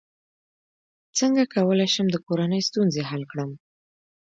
څنګه کولی شم د کورنۍ ستونزې حل کړم